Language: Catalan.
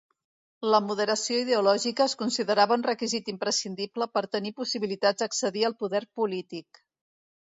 La moderació ideològica es considerava un requisit imprescindible per tenir possibilitats d'accedir al poder polític.